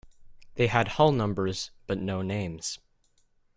They had hull numbers but no names.